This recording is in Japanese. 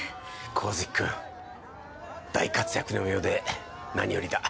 神月くん大活躍のようで何よりだ。